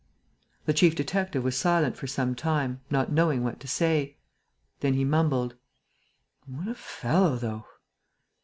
The chief detective was silent for some time, not knowing what to say. Then he mumbled: "What a fellow, though!"